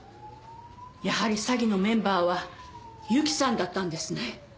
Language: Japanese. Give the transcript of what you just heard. やはり詐欺のメンバーはゆきさんだったんですね。